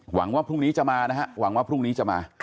หวังว่าพรุ่งนี้จะมานะฮะ